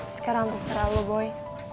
sekarang terserah lo boy